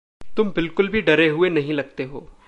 तुम बिलकुल भी डरे हुए नहीं लगते हो।